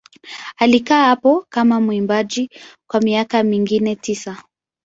Alikaa hapo kama mwimbaji kwa miaka mingine tisa.